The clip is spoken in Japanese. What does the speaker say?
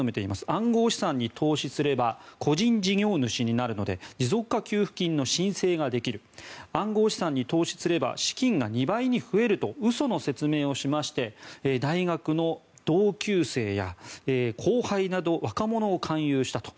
暗号資産に投資すれば個人事業主になるので持続化給付金の申請ができる暗号資産に投資すれば資金が２倍に増えると嘘の説明をしまして大学の同級生や後輩など若者を勧誘したと。